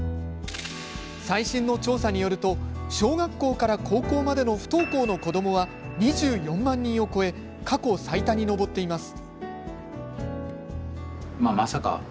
最新の調査によると小学校から高校までの不登校の子どもは２４万人を超え過去最多に上っています。